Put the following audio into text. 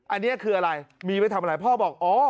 อันนี้คืออะไรมีไปทำอะไรพ่อบอกอ๋อ